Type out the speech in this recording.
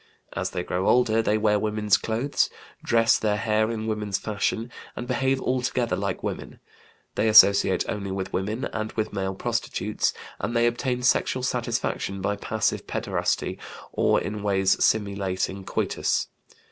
As they grow older they wear women's clothes, dress their hair in women's fashion, and behave altogether like women. They associate only with women and with male prostitutes, and they obtain sexual satisfaction by passive pederasty or in ways simulating coitus.